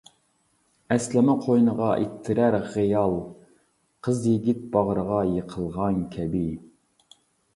ئەسلىمە قوينىغا ئىتتىرەر خىيال، قىز-يىگىت باغرىغا يىقىلغان كەبى.